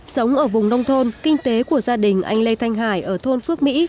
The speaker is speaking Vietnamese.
sống ở vùng nông thôn kinh tế của gia đình anh lê thanh hải ở thôn phước mỹ